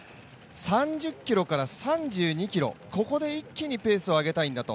３０ｋｍから３２ｋｍ、ここで一気にペースを上げたいんだと。